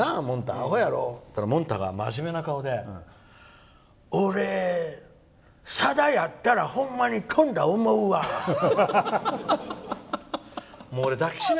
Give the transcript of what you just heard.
アホやろ？って言ったらもんたがまじめな顔で俺、さだやったらほんまに飛んだと思うわって。